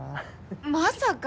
まさか！